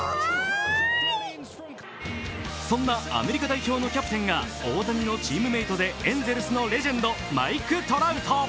そんなアメリカ代表のキャプテンが大谷のチームメートでエンゼルスのレジェンド、マイク・トラウト。